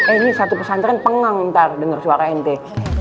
eh ini satu pesantren pengang ntar denger suara ente